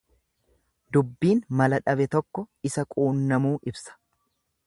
Dubbiin mala dhabe tokko isa quunnamuu ibsa.